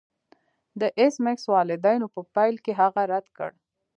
د ایس میکس والدینو په پیل کې هغه رد کړ